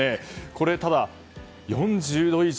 これ、４０度以上。